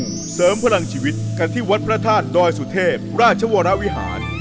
เสริมพลังชีวิตกันที่วัดพระธาตุดอยสุเทพราชวรวิหาร